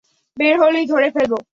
বের হলেই ধরে ফেলব।